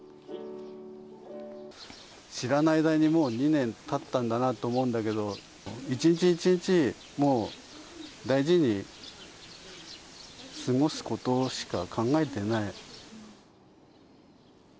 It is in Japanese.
知らない間にもう２年たったんだなと思うんだけど、一日一日、もう大事に過ごすことしか考えてない。